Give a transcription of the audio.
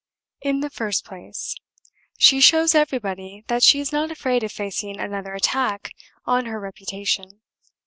In the first place, she shows everybody that she is not afraid of facing another attack on her reputation.